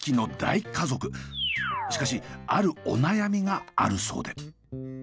しかしあるお悩みがあるそうで。